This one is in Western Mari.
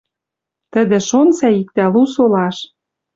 Тӹдӹ шон сӓй иктӓ лу солаш.